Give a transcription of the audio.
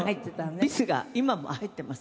ビスが今も入っています。